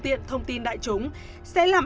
tiện thông tin đại chúng sẽ làm